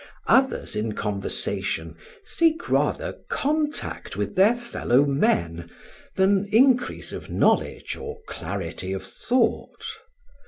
Others in conversation seek rather contact with their fellow men than increase of knowledge or clarity of thought.